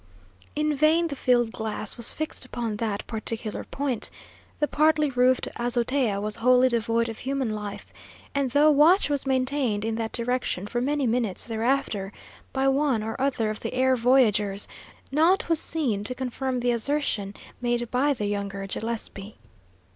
In vain the field glass was fixed upon that particular point. The partly roofed azotea was wholly devoid of human life, and though watch was maintained in that direction for many minutes thereafter, by one or other of the air voyagers, naught was seen to confirm the assertion made by the younger Gillespie.